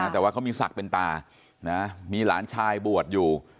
แต่ว่าเขามีศักดิ์เป็นตามีหลานชายบวชอยู่